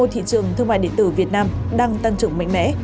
thị trường thương mại điện tử việt nam đang tăng trưởng mạnh mẽ